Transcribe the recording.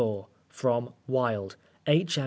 C.4 From Wilde, H. M.